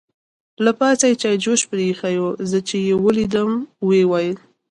له پاسه یې چای جوش پرې اېښې وه، زه چې یې ولیدم ویې ویل.